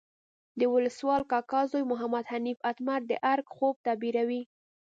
د ولسوال کاکا زوی محمد حنیف اتمر د ارګ خوب تعبیروي.